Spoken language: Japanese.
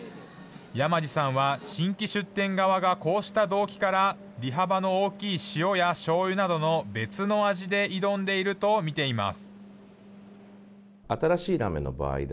山路さんは、新規出店側がこうした動機から、利幅の大きい塩やしょうゆなどの別の味で挑んでいると見ています。